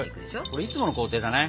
これいつもの工程だね。